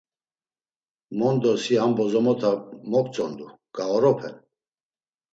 Mondo si ham bozomota moktzondu, gaoropen.